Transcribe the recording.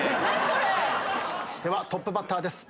ではトップバッターです。